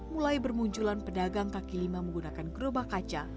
mulai bermunculan pedagang kaki lima menggunakan gerobak kaca